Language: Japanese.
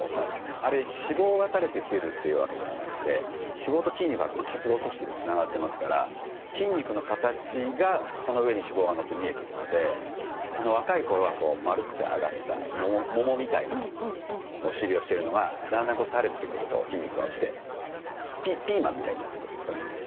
あれ脂肪が垂れてきてるっていうわけではなくて脂肪と筋肉は結合組織でつながってますから筋肉の形がその上に脂肪がのって見えているので若い頃は丸くて上がった桃みたいなお尻をしてるのがだんだんこう垂れてくると筋肉が落ちてピーマンみたいになってくるんですよね。